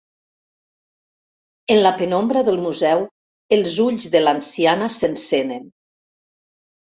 En la penombra del museu els ulls de l'anciana s'encenen.